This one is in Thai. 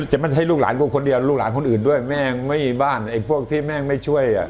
จะไม่ให้ลูกหลานพวกคนเดียวลูกหลานคนอื่นด้วยแม่ไม่มีบ้านไอ้พวกที่แม่ไม่ช่วยอ่ะ